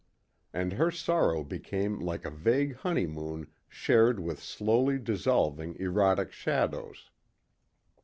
And her sorrow became like a vague honeymoon shared with slowly dissolving erotic shadows.